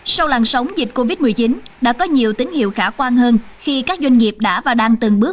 sau làn sóng dịch covid một mươi chín đã có nhiều tín hiệu khả quan hơn khi các doanh nghiệp đã và đang từng bước